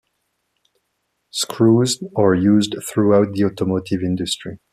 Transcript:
Screws are used throughout the automotive industry.